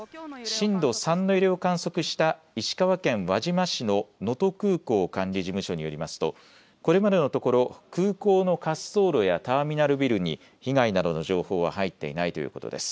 震度３の揺れを観測した石川県輪島市の能登空港管理事務所によりますとこれまでのところ空港の滑走路やターミナルビルに被害などの情報は入っていないということです。